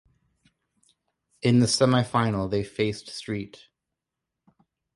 In the semifinal they faced St.